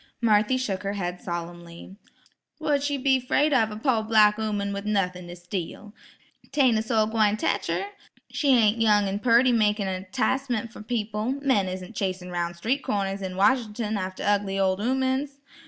Marthy shook her head solemnly. "Wha'd she be 'fraid of a po' black 'ooman with nuthin' to steal? 'Tain't a soul gwine tech her. She ain't young an' purty makin' a 'ticemen' fer people; men isn't chasin 'roun' street corners in Wash'nt'n after ugly ol' 'oomen's.